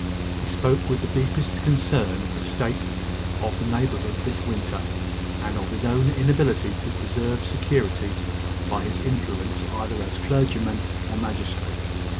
He spoke with the deepest concern of the state of the neighbourhood this winter, and of his own inability to preserve security, by his influence either as clergyman or magistrate.